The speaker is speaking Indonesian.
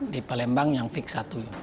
di palembang yang fix satu